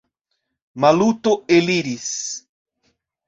Maluto eliris.